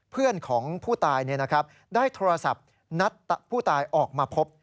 เพื่อนของผู้ตายได้โทรศัพท์นัดผู้ตายออกมาพบ